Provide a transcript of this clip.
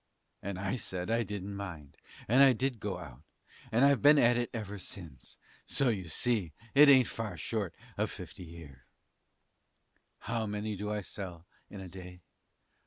And I said I didn't mind, and I did go out, and I've been at it ever since, so you see it 'aint far short of 50 year. How many do I sell in a day?